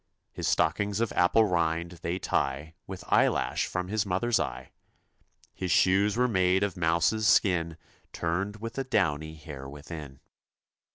His stockings of apple rind, they tie With eyelash from his mother's eye : His shoes were made of mouse's skin Turned with the downy hair within.